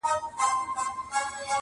اورنګ دي اوس چپاو کوي پر پېغلو ګودرونو،